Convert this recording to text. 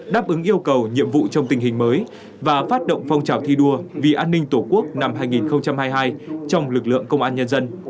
đáp ứng yêu cầu nhiệm vụ trong tình hình mới và phát động phong trào thi đua vì an ninh tổ quốc năm hai nghìn hai mươi hai